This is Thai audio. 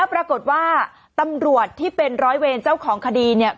ปรากฏว่าสิ่งที่เกิดขึ้นคลิปนี้ฮะ